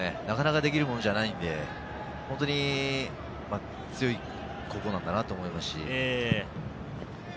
なかなかできるものじゃないので、本当に強い高校なんだなと思います。